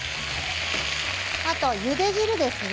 あとはゆで汁ですね。